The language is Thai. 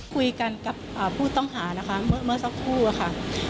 คุยกันกับผู้ต้องหานะคะเมื่อสักครู่อะค่ะ